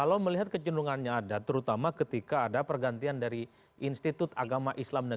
kalau melihat kecenderungannya ada terutama ketika ada pergantian dari institut agama islam